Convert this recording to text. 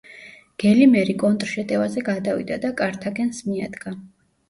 გელიმერი კონტრშეტევაზე გადავიდა და კართაგენს მიადგა.